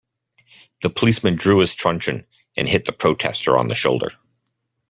The policeman drew his truncheon, and hit the protester on the shoulder